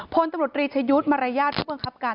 พลตำรวจรีชยุทธ์มารยาทผู้บังคับการ